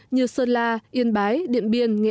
như sơn la yên bái điện biên nghệ an